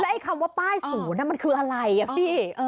แล้วไอ้คำว่าป้ายศูนย์น่ะมันคืออะไรอย่างที่